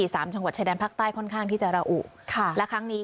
สามจังหวัดชายแดนภาคใต้ค่อนข้างที่จะระอุค่ะและครั้งนี้